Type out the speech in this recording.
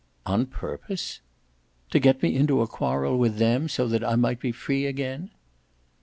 "On purpose?" "To get me into a quarrel with them so that I might be free again."